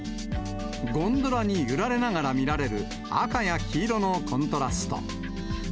ゴンドラに揺られながら見られる赤や黄色のコントラスト。